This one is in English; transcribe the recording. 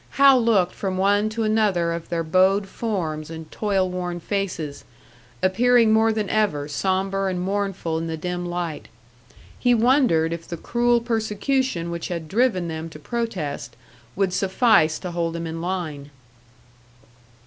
Hal looked from one to another of their bowed forms and toil worn faces, appearing more than ever sombre and mournful in the dim light; he wondered if the cruel persecution which had driven them to protest would suffice to hold them in line.